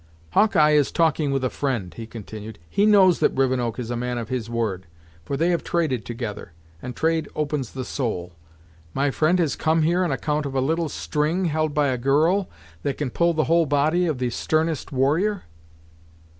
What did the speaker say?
"Hawkeye is talking with a friend," he continued. "He knows that Rivenoak is a man of his word, for they have traded together, and trade opens the soul. My friend has come here on account of a little string held by a girl, that can pull the whole body of the sternest warrior?"